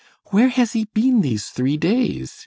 "Where has he been these three days!